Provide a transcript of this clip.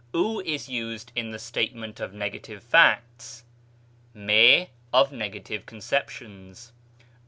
(οὐ is used in the statement of negative facts, 'μή of negative conceptions.)